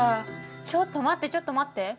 ちょっと待ってちょっと待って！